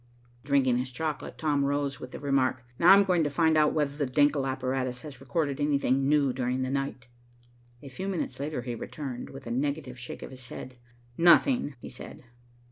Drinking his chocolate, Tom rose with the remark, "Now I'm going to find out whether the Denckel apparatus has recorded anything new during the night." A few minutes later he returned, with a negative shake of his head. "Nothing," he said.